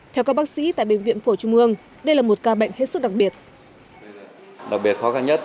theo các bác sĩ tại bệnh viện phổ trung ương đây là một ca bệnh hết sức đặc biệt